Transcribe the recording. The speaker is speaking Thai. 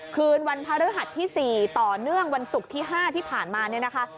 คืนวันพระฤหัสที่๔ต่อเนื่องวันศุกร์ที่๕ที่ผ่านมาเนี่ยนะคะ